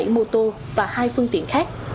ba trăm sáu mươi bảy mô tô và hai phương tiện khác